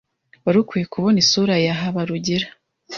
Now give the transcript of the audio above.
Wari ukwiye kubona isura ya Habarugira.